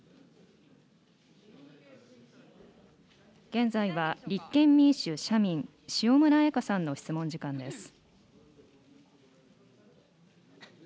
現在は立憲民主・社民、塩村あやかさんの質問時間です。